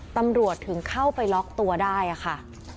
ตำรวจถึงเข้าไปล็อกตัวได้ค่ะ